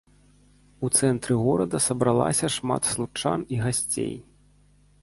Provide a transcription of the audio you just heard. У цэнтры горада сабралася шмат случчан і гасцей.